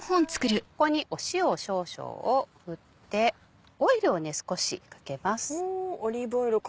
ここに塩少々を振ってオイルを少しかけます。